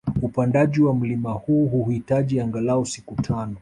Upandaji wa mlima huu huhitaji angalau siku tano